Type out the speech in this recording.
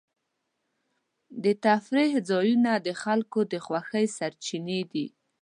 د تفریح ځایونه د خلکو د خوښۍ سرچینې دي.